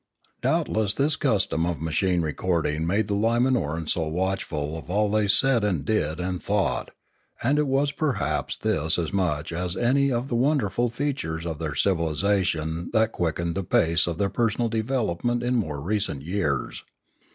Doubtless this custom of machine recording made the Limanorans so watchful of all they said and did and thought; and it was perhaps this as much as any of the wonderful features of their civilisation that quickened the pace of their personal development in more recent years.